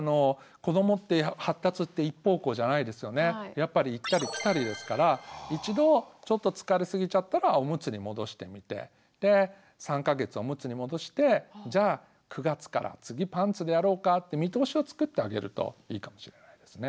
やっぱり行ったり来たりですから一度ちょっと疲れすぎちゃったらオムツに戻してみてで３か月オムツに戻してじゃ９月から次パンツでやろうかって見通しをつくってあげるといいかもしれないですね。